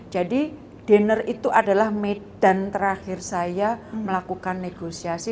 jadi dinner itu adalah medan terakhir saya melakukan negosiasi